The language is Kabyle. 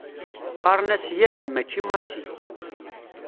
Qqaren-as Yani macci Masi.